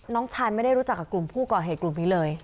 น้องชายไม่ได้รู้จักกับกลุ่มผู้ก่อเหตุกลุ่มนี้เลย